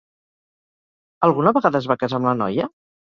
Alguna vegada es va casar amb la noia?